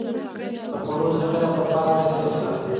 د خوړو ذخيره په پاک ځای کې وساتئ.